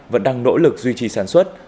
vẫn đang nỗ lực duy trì sản xuất